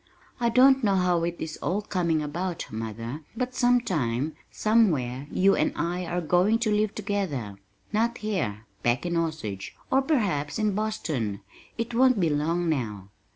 "I don't know how it is all coming about, mother, but sometime, somewhere you and I are going to live together, not here, back in Osage, or perhaps in Boston. It won't be long now."